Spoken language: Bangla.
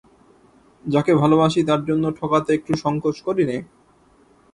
যাকে ভালোবাসি তার জন্যে ঠকাতে একটু সংকোচ করি নে।